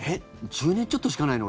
１０年ちょっとしかないの？